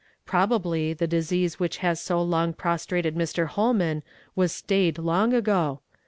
Probably the disease which has so long prostrated Mr. Holman was stayed long ago.